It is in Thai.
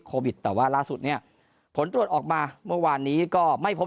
โควิดแต่ว่าล่าสุดเนี่ยผลตรวจออกมาเมื่อวานนี้ก็ไม่พบ